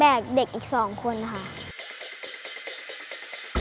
เด็กอีก๒คนค่ะ